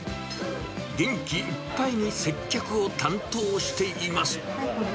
元気いっぱいに接客を担当しています。